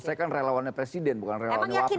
saya kan relawannya presiden bukan relawannya wapres